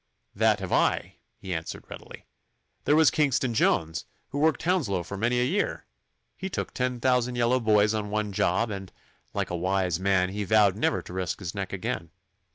'That have I,' he answered readily. 'There was Kingston Jones, who worked Hounslow for many a year. He took ten thousand yellow boys on one job, and, like a wise man, he vowed never to risk his neck again.